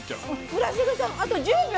村重さんあと１０秒。